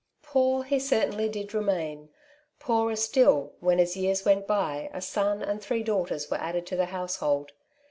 Poor he certainly did remain — poorer still, when as years went by a son and three daughters were added to the household.